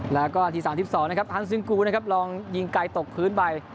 แล้วก็ที๓๒นะครับอันซึงกูนะครับลองยิงไกลตกพื้นไป